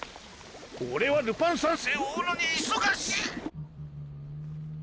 俺はルパン三世を追うのに忙しい！